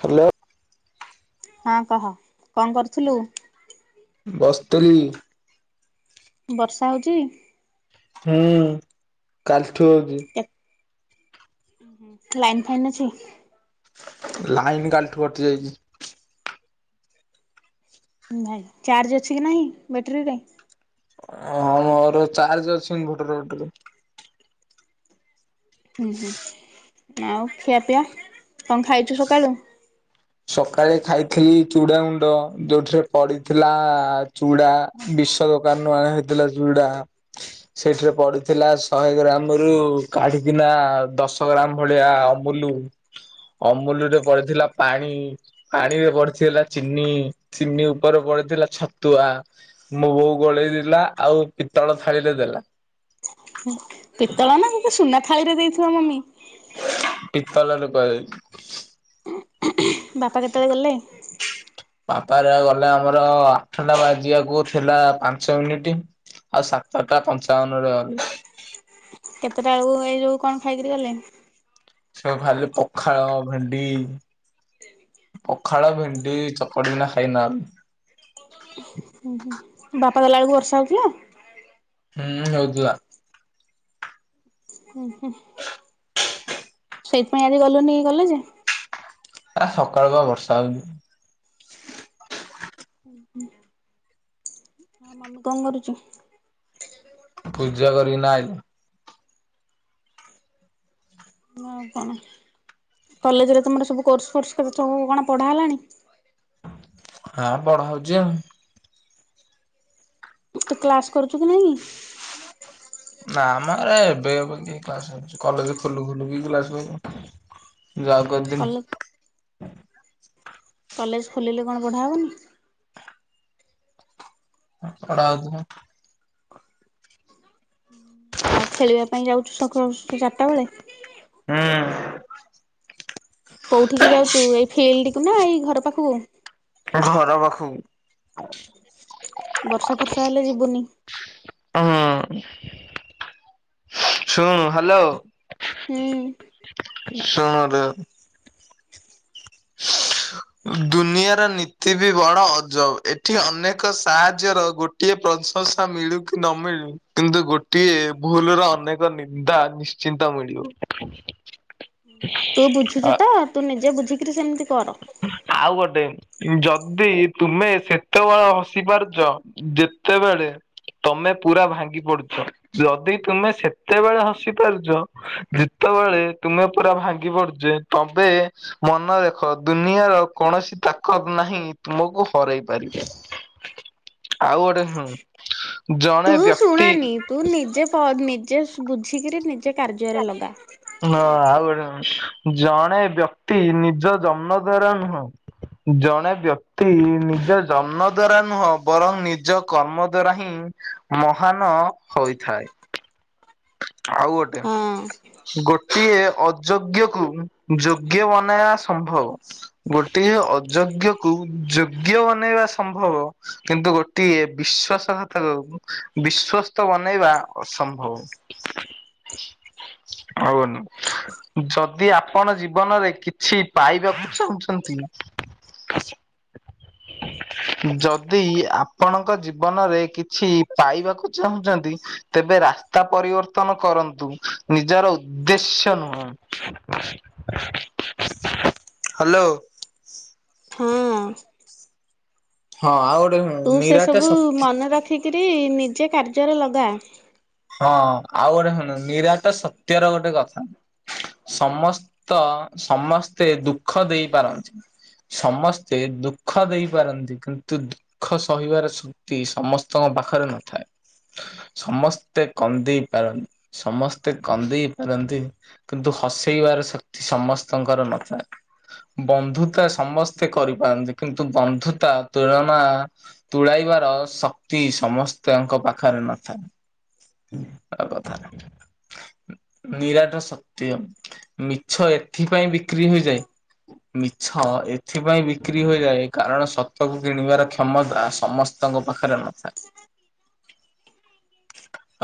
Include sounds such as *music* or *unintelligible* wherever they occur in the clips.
Hello. ହଁ କହ କଣ କରୁଥୁଲୁ? ବସିଥିଲି। ବର୍ଷା ହେଉଛି? ହୁଁ କାଲିଠୁଁ ହଉଛି। ଏତ ଲାଇନ ଫାଇନ୍ ଅଛି। ଲାଇନ କାଲିଠୁ କଟି ଯାଇଛି। ଭାଇ ଚାର୍ଜ ଅଛି କି ନାହିଁ ବ୍ୟାଟେରୀ ରେ? ଓଁ ହଁ ମୋର ଚାର୍ଜ ଅଛି ଇନଭର୍ଟର ବେଟିରୀରେ ଉଁ ହୁଁ ଆଉ ଖିଆ ପିଆ କଣ ଖାଇଛୁ ସକାଳୁ? ସକାଳେ ଖାଇଥିଲି ଚୁଡାଗୁଣ୍ଡ ଯୋଉଁଥିରେ ପଡିଥିଲା ଚୁଡା ବିଷ ଦୋକାନରୁୁ ଅଣା ହେଇଥିଲା ଚୁଡା ସେଥିରେ ପଡିଥିଲା ଶହେ ଗ୍ରାମ ରୁ କାଢିକିନାଁ ଦଶ ଗ୍ରାମ ଭଳିଆ ଅମ୍ ମୁଲୁ ଅମୁଲ ରେ ପଡିଥିଲା ପାଣି। ପାଣିରେ ପଡିଥିଲା ଚିନି ଚିନି ଉପରେ ପଡିିଥିଲା ଛତୁଆ। ମୋ ବୋଉ ଗୋଳେଇ ଦେଲା ଆଉଁ ପିତ୍ତଳ ଥାଳିରେ ଦେଲା। ପିତ୍ତଳ ନାଁ ତୋତେ ସୁନା ଥାଳିରେ ଦେଇଥିବ ମମି। ପିତ୍ତଳରେ ଥୁଆ ହେଇଚି। ବାପା କେତେବେଳେ ଗଲେ? ବାପା ଯା ଗଲେ ଆମର ଆଠଟା ବାଜିବାକୁ ଥିଲା ପାଞ୍ଚ ମିନିଟ ଆଉ ସାତଟା ପଞ୍ଚାବନ ରେ ଗଲେ। କେତେଟା ବେଳକୁ ଏଉଁ ଯୋଉଁ କଣ ଖାଇକିରି ଗଲେ? ଖାଲି ପଖାଳ ଭେଣ୍ଡି ପଖାଳ ଭେଣ୍ଡି ଚକଟିନା ଖାଇକିନା ଗଲେ। *unintelligible* ଉଁହୁଁ ବାପା ଗଲାବେଳକୁ ବର୍ଷା ହଉଥିଲା? ହୁଁଉଁ ହଉଥିଲା। ଉଁ ହୁଁ ସେଇଥିପାଇଁ ଆଜି ଗଲନି କି କଲେଜ? ଆଁ ସକାଳୁ ଜମା ବର୍ଷା ହଉଚି। ଉଁ ହୁଁ କଣ କରୁଛୁ? ପୂଜା କରିବି ନାଏ ହଁ କହ କଲେଜରେ କଣ ସବୁ କୋର୍ସ ଫୋର୍ସ ସବୁ କଣ ପଢା ହେଲାଣି? ହାଁ ପଢା ହଉଛି ଆଉଁ। ତୁ କ୍ଲାସ କରୁଛୁ କି ନାଇଁ? ନାମ ଏଁ ଏବେ ଏବେ କି କ୍ଲାସ ହଉଚି କଲେଜ ଖୋଲୁ ଖୋଲୁ କି କ୍ଲାସ ହୁଏଁ ମ୍ କଲେ *unintelligible* କଲେଜ ଖୋଲିଲେ କଣ ପଢ଼ା ହଉନି? *unintelligible* ଆଉଁ କଣ? ଆଉ ଖେଳିବା ପାଇଁ ଯାଉଛୁ ସକାଳ ସଁ ଚାରିଟାବେଳେ? ହୁଁ କଉଁଠିକି ଯାଉଛୁ ଏଇ ଫିଲ୍ଡକୁ ନାଁ ଏଇ ଘର ପାଖକୁ ହେଁ ଘର ପାଖକୁ ବର୍ଷା ଫର୍ଷା ହେଲେ ଯିବୁନି ହୁଁ ଶୁଣ ହ୍ୟାଲୋ ହୁଁ ଶୁଣୁରେ ସୁଁହଁ ଦୁନିଆର ନୀତି ବି ବଡ ଅଜବ ଏଠିଁ ଅନେକ ସାହାଯ୍ୟର ଗୋଟ ଟିଏ ପ୍ରଶଂସା ମିଳୁ କି ନ ମିଳୁ କିନ୍ତୁ ଗୋଟିଏ ଭୁଲର ଅନେକ ନିନ୍ଦା ନିଶ୍ଚିନ୍ତ ମିଳିବ। ତୁ ବୁଝୁଛୁ ତ ତୁ ନିଜେ ବୁଝିକିରି ସେମିତି କର। ଆଉ ଗୋଟେ ଯଦି ତୁମେ ସେତେବେଳେ ହସି ପାରୁଛ ଯେତେବେଳେ ତମେ ପୁରା ଭାଙ୍ଗି ପଡୁଛ ଯଦି ତୁମେ ସେତେବେଳେ ହସି ପାରୁଛ ଯେତେବେଳେ ତୁମେ ପୁରା ଭାଙ୍ଗି ପଡୁଛ ତମେ ମନ ଦେଖ ଦୁନିଆର କୌଣସି ତାକତ ନାହିଁ ତୁମକୁ ହରାଇ ପାରିବ। ଆଉ ଗୋଟେ ହୁଁ ତୁ ଶୁଣାନି ତୁ ନିଜେ ନିଜେ ବୁଝିକରି ନିଜେ କାର୍ଯ୍ୟରେ ଲଗା। ହଁ ଆଉ ଗୋଟେ ଜଣେ ବ୍ୟକ୍ତି ନିଜ ଜନ୍ନ ଦ୍ବାର ନୁହଁ ଜଣେ ବ୍ୟକ୍ତି ନିଜ ଜନ୍ମ ଦ୍ଵାରା ନୁହଁ ବରଂ ନିଜ କର୍ମ ଦ୍ଵାରା ହିଁ ମହାନ ହୋଇଥାଏ। ଆଉ ଗୋଟେ ହଁ ଗୋଟିଏ ଅ ଯୋଗ୍ୟକୁ ଯୋଗ୍ୟ ବନେଇବା ସମ୍ଭବ। ଗୋଟିଏ ଅଯୋଗ୍ୟକୁ ଯୋଗ୍ୟ ବନେଇବା ସମ୍ଭବ କିନ୍ତୁ ଗୋ ଟିଏ ବିଶ୍ଵାସଘାତକ କୁବିଶ୍ଵସ୍ତ ବନେଇବା ଅସମ୍ଭବ। ଆଉ *unintelligible* ଯଦି ଆପଣ ଜୀବନରେ କିଛି ପାଇବାକୁ ଚାହୁଁଛନ୍ତି ଯଦି ଆପଣଙ୍କ ଜୀବନରେ କିଛି ପାଇବାକୁ ଚାହୁଁଛନ୍ତି ତେବେ ରାସ୍ତା ପରିବ ର୍ତ୍ତନ କରନ୍ତୁ ନିଜର ଉଦ୍ଦେଶ୍ୟ ନୁହଁ। ହ୍ୟାଲୋ। ହଁ। ହଁ ଆଉ ଗୋଟେ ଶୁ ତୁ ସେସବୁ ମନେ ରଖିକିରି ନିଜେ କାର୍ଯ୍ୟରେ ଲଗା। ହଁ ଆଉ ଗୋଟେ ଶୁଣ ନିରାଟ ସତ୍ୟର ଗୋଟେ କଥା। ସମସ୍ତ ସମସ୍ତେ ଦୁଃଖ ଦେଇପାରନ୍ତି। ସମସ୍ତେ ଦୁଃଖ ଦେଇପାରନ୍ତି କିନ୍ତୁ ଦୁଃଖ ସହିବାର ସ କ୍ତିସମସ୍ତଙ୍କ ପାଖରେ ନଥାଏ, ସମ ମତେ କନ୍ଦେଇ ପାରନ୍ତି ସମସ୍ତେ କନ୍ଦେଇ ପାରନ୍ତି। କିନ୍ତୁ ହସେଇବାର ଶକ୍ତି ସମସ୍ତଙ୍କର ନଥାଏ। ବନ୍ଧୁତା ସମସ୍ତେ କରିପାରନ୍ତି କିନ୍ତୁ ବନ୍ଧୁତା ତୁଳନା ତୁଳାଇବାର ଶକ୍ତି ସମସ୍ତଙ୍କ ପାଖରେ ନଥାଏ। ଆଉ କଥା ନାଇଁ। ନିରାଟ ସତ୍ୟ ମିଛ ଏଥିପାଇଁ ବିକ୍ରି ହେଇଯାଏ ମିଛ ଏଥିପାଇଁ ବିକ୍ରି ହୋଇଯାଏ କାରଣ ସତକୁ କିଣିବାର କ୍ଷମତା ସମସ୍ତ ସ୍ତ ଙ୍କ ପାଖରେ ନଥାଏ।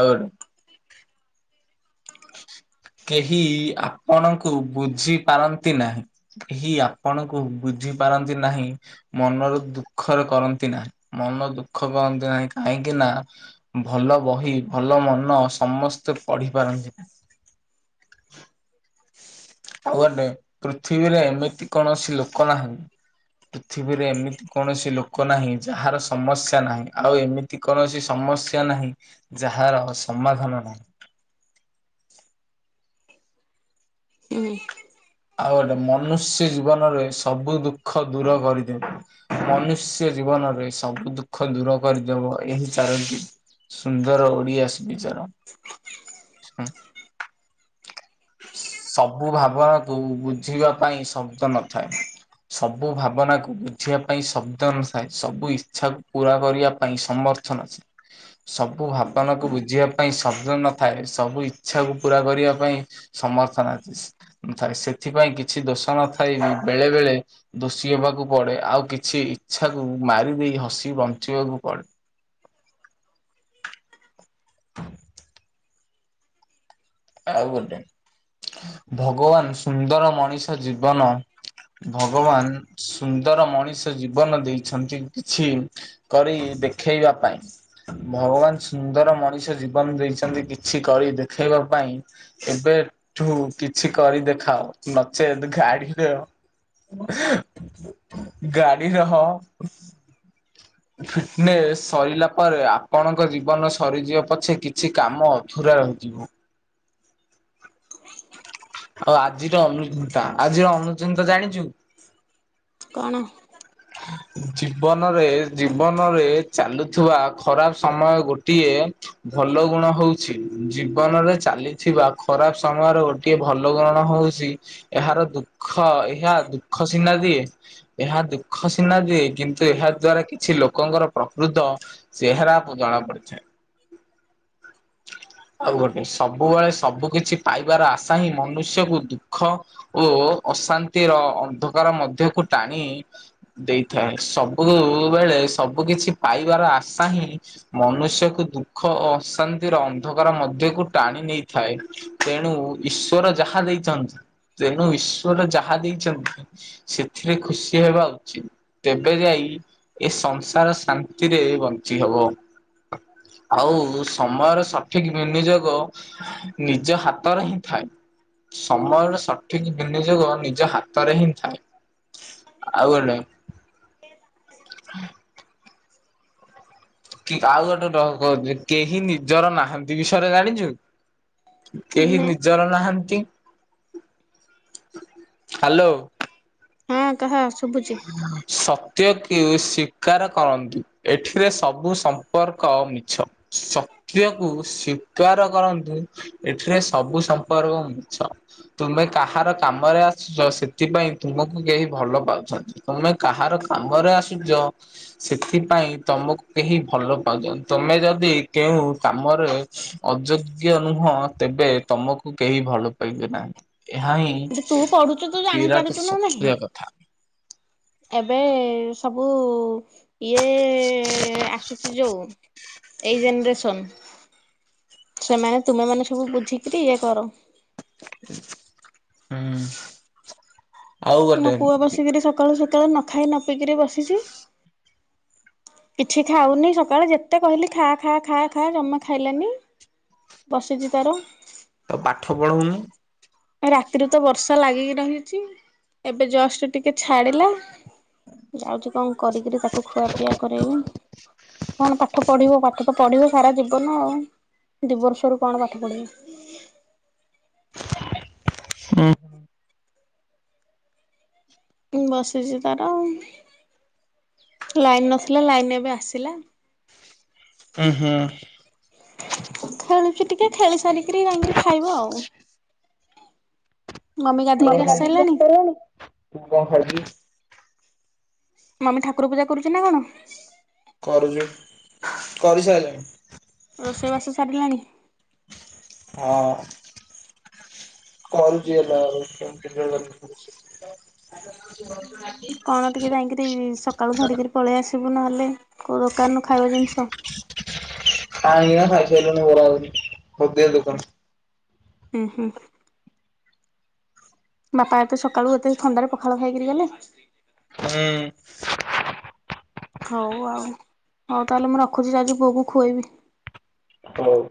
ଆଉ ଗୋଟେ। କେହି ଆପଣଙ୍କୁ ବୁଝି ପାରନ୍ତି ନାହିଁ। ଏହି ଆପଣଙ୍କୁ ବୁଝି ପାରନ୍ତି ନାହିଁ। ମନରୁ ଦୁଃଖରେ କରନ୍ତି ନାହିଁ ମନ ଦୁଃଖ କରନ୍ତି ନାହିଁ କାହିଁକି ନା ଭଲ ବହି ଭଲ ମନ ସମସ୍ତେ ପଢ଼ିପାରନ୍ତି ଆଉ ଗଟେ ପୃଥିବୀରେ ଏମିତି କୌଣସି ଲୋକ ନାହିଁ। ପୃଥିବୀରେ ଏମିତି କୌଣସି ଲୋକ କ ନାହିଁ ଯାହାର ସମସ୍ୟା ନାହିଁ ଆଉ ଏମିତି କୌଣସି ସମସ୍ୟା ନାହିଁ ଯାହାର ସମାଧାନ ନାହିଁ। ହୁଁ। ଆଉ ଗଟେ ମନୁଷ୍ୟ ଜୀବନରେ ସବୁ ଦୁଃଖ ଦୂର କରିଦିଅ ମନୁଷ୍ୟ ଜୀବନରେ ସବୁ ଦୁଃଖ ଦୂର କରିଦେବ ଏହି ଚାରୋଟି ସୁନ୍ଦର ଓଡିଆ ସୁବିଚାର। ସବୁ ଭାବକୁ ବୁଝିବା ପାଇଁ ଶବ୍ଦ ନଥାଏ। ସବୁ ଭାବନାକୁ ବୁଝିବା ପାଇଁ ଶବ୍ଦ ନଥାଏ ସବୁ ଇଚ୍ଛାକୁ ପୁରା କରିବା ପାଇଁ ସମର୍ଥ ଥ ନ ଥାଏ। ସବୁ ଭାବନା କ ବୁଝିବା ପାଇଁ ଶବ୍ଦ ନଥାଏ ସବୁ ଇଚ୍ଛା କୁ ପୁରା କରିବା ପାଇଁ ସମର୍ଥ ଥାଏ ନଥାଏ, ସେଥିପାଇଁ କିଛି ଦୋଷ ନଥାଇ ବେଳେ ବେଳେ ଦୋଷୀ ହେବାକୁ ପଡେ ଆଉ କିଛି ଇଛାକୁ ମାରି ଦେଇ ହସି ବଞ୍ଚିବାକୁ ପଡେ। *unintelligible* ଆଉ ଗୋଟେ ଭଗବାନ ସୁନ୍ଦର ମଣିଷ ଜୀବନ ଭଗବାନ ସୁନ୍ଦର ମଣିଷ ଜୀବନ ଦେଇଛନ୍ତି କିଛି କରି ଦେଖେଇବା ପାଇଁ। ଭଗବାନ ସୁନ୍ଦର ମଣିଷ ଜୀବନ ଦେଇଛନ୍ତି କିଛି କରି ଦେଖେଇବାକୁ ପାଇଁ ଏବେଠୁ କିଛି କରି ଦେଖାଅ ନଚେତ୍ ଗାଡି ଗାଡି ରହ *inaudible* ଫିଟନେସ୍ ସରିଲା ପରେ ଆପଣଙ୍କ ଜୀବନ ସରିଯିବ ପଛେ କିଛି କାମ ଅଧୁରା ରହିଯିବ। ନାଇଁାଇ *unintelligible* ଆଉ ଆଜିର ଅନୁଚିନ୍ତା ଆଜିର ଅନୁଚିନ୍ତା ଜାଣିଛୁ। କଣ? ଜୀବନରେ ଜୀବନରେ ଚାଲୁଥିବା ଖରାପ ସମୟ ଗୋଟିଏ। ଭଲ ଗୁଣ ହଉଛି ଜୀବନରେ ଚାଲିଥିବା ଖରାପ ସମୟର ଗୋ ଟିଏ ଭଲ *unintelligible* ହଉଛି ଏହାର ଦୁଃଖ ଏହା ଦୁଃଖ ସିନା ଦିଏ ଏହା ଦୁଃଖ ସିନା ଦଏ କିନ୍ତୁ ଏହା ଦ୍ଵାରା କିଛି ଲୋକଙ୍କର ପ୍ରକୃତ ଚେହେରା ଜଣା ପଡ଼ିଯାଏ। *inaudible* ଆଉ ଗୋଟେ ସବୁବେଳେ ସବୁ କିିଛି ପାଇବାର ଆଶା ହିଁ ମନୁଷ୍ୟକୁ ଦୁଃଖ ଓ ଅଶାନ୍ତିର ଅନ୍ଧକାର ମଧ୍ୟକୁ ଟାଣି ଦେଇଥାଏ ସବୁବେେଳେ ସବୁ କିଛି ପାଇବାର ଆଶା ହିଁ ମନୁଷ୍ୟକୁ ଦୁଃଖ ଓ ଅଶାନ୍ତିର ଅନ୍ଧକାର ମଧ୍ୟକୁ ଟାଣି ନେଇଥାଏ। ତେଣୁ ଈଶ୍ଵର ଯାହା ଦେଇଛନ୍ତି ତେଣୁ ଈଶ୍ୱର ଯାହା ଦେଇଛନ୍ତି। ସେଥିରେ ଖୁସି ହେବା ଆଉ ତେବେ ଯାଇ ଏ ସଂସାର ଶାନ୍ତିରେ ବଞ୍ଚି ହେବ। ଆଉ ସମୟର ସଠିକ ବିନିଯୋଗ ନିଜ ହାତର ହିଁ ଥାଏ। ସମୟର ସଠିକ ବିନିଯୋଗ ନିଜ ହାତରେ ହିଁ ଥାଏ ଆଉ ଗୋ କି ଆଉ ଗୋଟେ କେହି ନିଜର ନାହାନ୍ତି ବିଷୟରେ ଜାଣିଛୁ? କେହି ନା ନିଜର ନାହାନ୍ତି ହ୍ୟାଲୋ ହଁ କହ ଶୁଭୁଛି। ସ ସତ୍ୟକୁ ସ୍ୱୀକାର କରନ୍ତି ଏଠିରେ ସବୁ ସମ୍ପର୍କ ମିଛ। ସତ୍ୟକୁ ସ୍ୱୀକାର କରନ୍ତୁ। ଏଠିରେ ସବୁ ସମ୍ପର୍କ ମିଛ। ତୁମେ କାହାର କାମରେ ଆସୁଛ ସେଥିପାଇଁ ତୁମକୁ କେହି ଭଲ ପାଆନ୍ତୁ। ତମେ କାହାର କାମରେ ଆସୁଛ। ସେଥିପାଇଁ ତମକୁ କେହି ଭଲ ପାଉଛନ୍ତି ତମେ ଯଦି କେଉଁ କାମରେ ଅଯୋଗ୍ୟ ନୁହଁ ତେବେ ତମକୁ କେହି ଭଲ ପାଇବେ ନାହିଁ। ଏହା ହିଁ ତୁ ପଢୁଛୁ ତୁ ବିରାଟ ଜାଣିପାରୁଛୁ ନା ନାହିଁ? ସତ୍ୟ କଥା। ଏବେ ସବୁ ଇଏ ଆସୁଛି ଯୋଉ ଏଇ ଜେନେରେସନ ସେମାନେ ତୁମେ ମାନେ ସବୁ ବୁଝିକିରି ଇଏ କର। ହୁଁ। ଆଉ ମୋ ପୁଅ ଗୋଟେ ବସିକରି ସକାଳୁ ସକାଳୁ ନଖାଇ ନ ପିଇକିରି ବସିଛି। କିଛି ଖାଉନି ସକାଳେ ଯେତେ କହିଲି ଖା ଖା ଖା ଖା ଜମା ଖାଇଲାନି। ବସିଛି ତାର। ତାକୁ ପାଠ ପଢଉନୁ। ରାତିରୁ ତ ବର୍ଷା ଲାଗିକି ରହିଛି ଏବେ ଜଷ୍ଟ ଟିକେ ଛାଡିଲା। ଯାଉଛି କଣ କରିକିରି ତାକୁ ଖୁଆପିଆ କରାଇବି। କଣ ପାଠ ପଢିବ ପାଠ ତ ପଢିବ ସାରା ଜୀବନ ଆଉ ଦିବର୍ଷରୁ କଣ ପାଠ ପଢିବ? ହୁଁ। ବସିଚି ତାର ଆଉ ଲାଇନ୍ ନଥିଲା ଲାଇନ ଏବେ ଆସିଲା। ଉଁ ହୁଁ। ଖେଳୁଚି ଟିକେ ଖେଳି ସାରିକରି ଯାଇକିରି ଖାଇବ ଆଉ। ମମି ଗାଧେଇକିରି ଆସି ସାଇସାଇଲେଣି? ମମି ଠାକୁର ପୂଜା କରୁଚି ନା କଣ? କରୁଚି କରିସାଇଲାଣି। ରୋଷେଇବାସ ସାରିଲାଣି? ହଁ କରୁଚି ଏଇନା ରୋଷେଇ। *unintelligible* କରୁଚି। ହୁଁ କଣ ଟିକେ ଯାଇକିରି ସକାଳୁ ଧରିକିରି ପଳେଇ ଆସିବୁ ନହେଲେ କୋଉ ଦୋକାନରୁ ଖାଇବା ଜିନିଷ। ଖାଇନି ଆ ଖାଇ ସାଇସାଇଲୁଣି ବରା ଘୁଗୁନି ହୋଦି ଦୋକାନ ଉଁ ହୁଁ। ବାପା ଏତେ ସକାଳୁ ଏତେ ଥଣ୍ଡାରେ ପଖାଳ ଖାଇକିରି ଗଲେ? ହୁଁ। ହୋଉ ଆଉ ହୋଉ ତାହେଲେ ମୁଁ ରଖୁଚି ଯାଉଚି ପୁଅକୁ ଖୁଏଇବି। ହୋଉ।